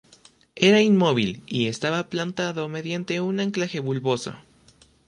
Era inmóvil y estaba plantado mediante un anclaje bulboso.